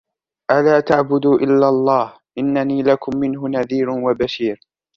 أَلَّا تَعْبُدُوا إِلَّا اللَّهَ إِنَّنِي لَكُمْ مِنْهُ نَذِيرٌ وَبَشِيرٌ